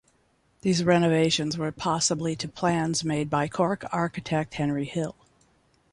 These renovations were possibly to plans made by Cork architect Henry Hill.